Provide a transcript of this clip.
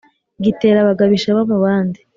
Gitera abagabo ishema mu bandi